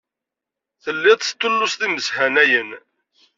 Telliḍ testulluseḍ imeshanayen.